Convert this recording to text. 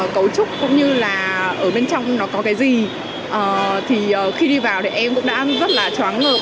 cấu trúc cũng như là ở bên trong nó có cái gì thì khi đi vào thì em cũng đã rất là chóng ngợp